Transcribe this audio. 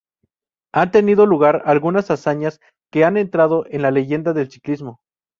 Han tenido lugar algunas hazañas que han entrado en la leyenda del ciclismo.